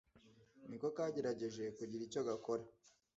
ni ko kagerageje kugira icyo gakora